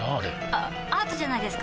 あアートじゃないですか？